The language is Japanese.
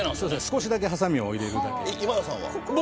少しだけはさみを入れるだけ。